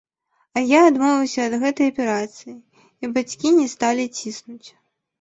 А я адмовіўся ад гэтай аперацыі, і бацькі не сталі ціснуць.